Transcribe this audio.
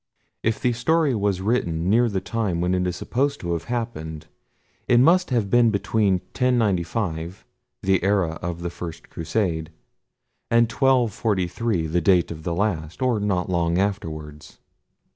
If the story was written near the time when it is supposed to have happened, it must have been between 1095, the era of the first Crusade, and 1243, the date of the last, or not long afterwards.